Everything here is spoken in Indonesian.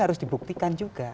ini harus dibuktikan juga